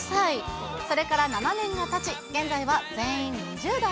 それから７年がたち、現在は全員２０代。